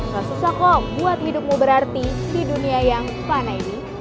gak susah kok buat hidupmu berarti di dunia yang pana ini